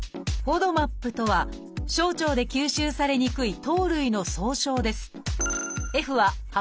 「ＦＯＤＭＡＰ」とは小腸で吸収されにくい糖類の総称です